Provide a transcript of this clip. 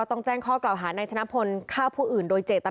โอเค